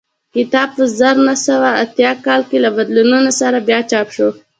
کتاب په زر نه سوه اتیا کال کې له بدلونونو سره بیا چاپ شو